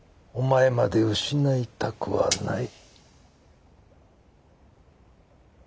お前まで失いたくはない。